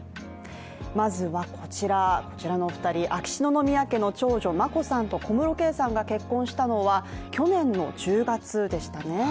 まずはこちらのお二人秋篠宮家の長女・眞子さんと小室圭さんが結婚したのは去年の１０月でしたね。